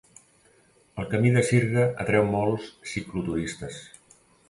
El camí de sirga atreu molts cicloturistes.